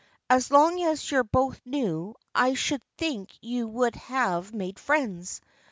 " As long as you're both new I should think you would have made friends.